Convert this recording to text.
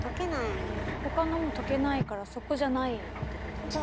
他のも溶けないからそこじゃないってことですね。